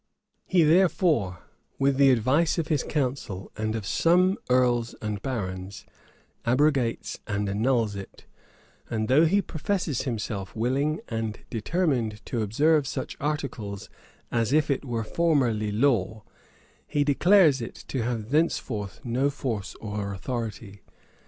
He therefore, with the advice of his council and of some earls and barons, abrogates and annuls it; and though he professes himself willing and determined to observe such articles of it as were formerly law, he declares it to have thenceforth no force or authority.